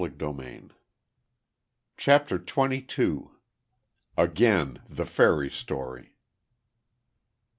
CHAPTER TWENTY TWO. AGAIN THE FAIRY STORY.